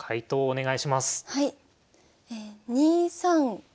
はい。